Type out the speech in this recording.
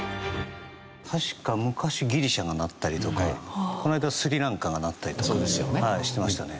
確か昔ギリシャがなったりとかこの間スリランカがなったりとかしてましたね。